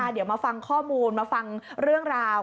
เดี๋ยวมาฟังข้อมูลมาฟังเรื่องราว